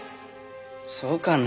そうかな？